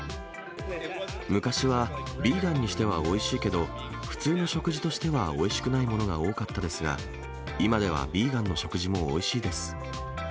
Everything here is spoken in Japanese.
昔は、ビーガンにしてはおいしいけど、普通の食事としてはおいしくないものが多かったですが、今ではビーガンの食事もおいしいです。